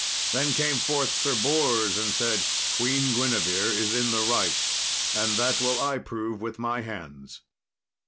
Then came forth Sir Bors, and said, "Queen Guinevere is in the right, and that will I prove with my hands."